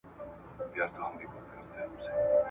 دا رومان د یوې لویې بریا او د هغې د بیې کیسه ده.